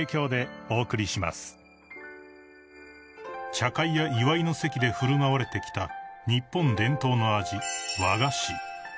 ［茶会や祝いの席で振る舞われてきた日本伝統の味］